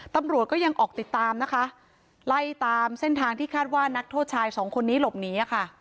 ตำรวจก็ยังออกติดตามนะคะไล่ตามเส้นทางที่คาดว่านักโทษชายสองคนนี้หลบหนี